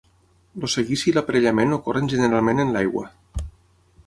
El seguici i l'aparellament ocorren generalment en l'aigua.